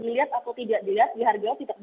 dilihat atau tidak dilihat dihargai atau tidak dihargai